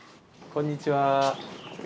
こんにちは。